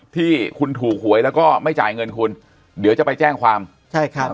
ที่คุณถูกหวยแล้วก็ไม่จ่ายเงินคุณเดี๋ยวจะไปแจ้งความใช่ครับ